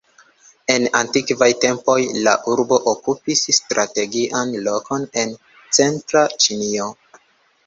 En antikvaj tempoj la urbo okupis strategian lokon en centra Ĉinio.